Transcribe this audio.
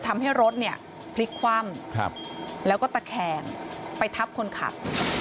ทำให้รถเนี่ยพลิกคว่ำแล้วก็ตะแคงไปทับคนขับ